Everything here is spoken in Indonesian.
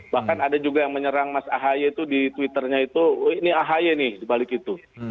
bahkan ada juga yang menyerang mas ahy itu di twitternya itu ini ahy nih dibalik itu